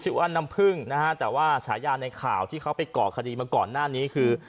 ว่าน้ำพึ่งนะฮะแต่ว่าฉายาในข่าวที่เขาไปก่อคดีมาก่อนหน้านี้คือ